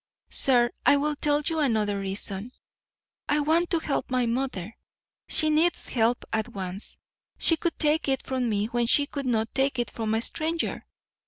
Sir, I will tell you another reason: I want to help my mother; she needs help at once. She could take it from me when she could not take it from a stranger.